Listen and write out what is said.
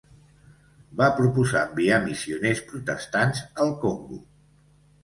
Va proposar enviar missioners protestants al Congo.